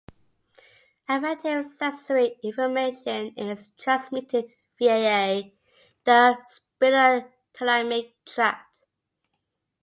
Affective sensory information is transmitted via the spinothalamic tract.